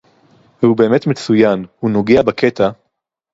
והוא באמת מצוין, הוא נוגע בקטע